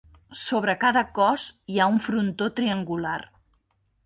Sobre cada cos hi ha un frontó triangular.